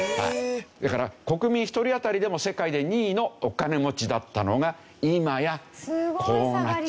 だから国民一人当たりでも世界で２位のお金持ちだったのが今やこうなっちゃった。